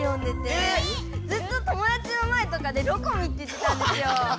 え⁉ずっと友だちの前とかで「ろコミ」って言ってたんですよ。